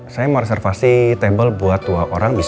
saya mau reservasi table buat dua orang bisa